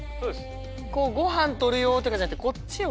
こうごはんとる用とかじゃなくてこっちを。